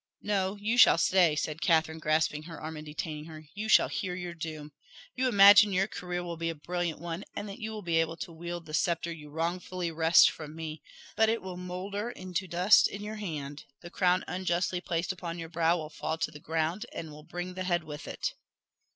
"No, you shall stay," said Catherine, grasping her arm and detaining her; "you shall hear your doom. You imagine your career will be a brilliant one, and that you will be able to wield the sceptre you wrongfully wrest from me; but it will moulder into dust in your hand the crown unjustly placed upon your brow will fall to the ground, and it will bring the head with it."